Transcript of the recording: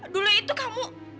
dulu itu kamu